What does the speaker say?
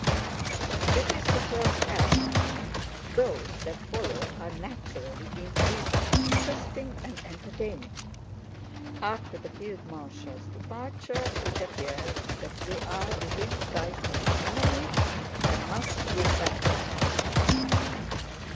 "This is the first act. Those that follow are naturally increasingly interesting and entertaining. After the field marshal's departure it appears that we are within sight of the enemy and must give battle.